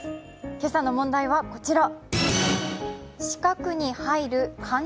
今朝の問題はこちら。